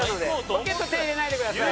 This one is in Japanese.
ポケット手入れないでください。